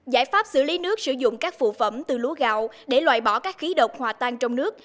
giải pháp xử lý nước sử dụng các phụ phẩm từ lúa gạo để loại bỏ các khí độc hòa tan trong nước